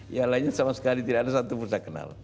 ya lainnya sama sekali tidak ada satu yang bisa kenal